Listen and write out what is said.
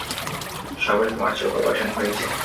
সবে তোমার চোখ অপারেশন হয়েছে।